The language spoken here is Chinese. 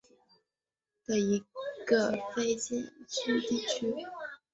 沸点是位于美国加利福尼亚州洛杉矶县的一个非建制地区。